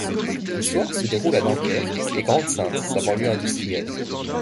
L'histoire se déroule à Dunkerque et Grande-Synthe sa banlieue industrielle.